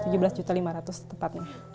tujuh belas lima jutaan tepatnya